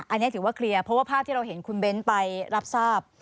อันนี้ถือว่าเคลียร์เพราะว่าภาพที่เราเห็นคุณเบ้นไปรับทราบ